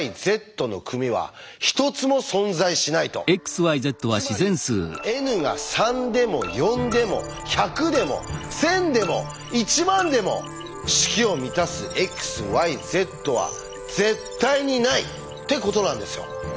つまりｎが３でも４でも１００でも１，０００でも１万でも式を満たすｘｙｚは絶対にないってことなんですよ。